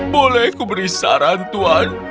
boleh kuberi saran tuan